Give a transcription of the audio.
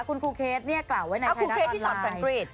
คุณครูเคสเนี่ยกล่าวไว้ในไทยรัฐออนไลน์ครูเคสที่สอนสังกรีต